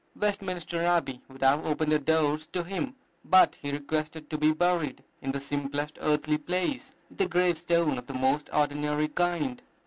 Westminster Abbey would have opened her doors to him, but he requested to be buried "in the simplest earthly place, with a gravestone of the most ordinary kind."